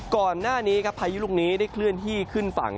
ก่อนหน้านี้ครับพายุลูกนี้ได้เคลื่อนที่ขึ้นฝั่ง